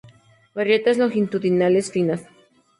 Grietas longitudinales finas.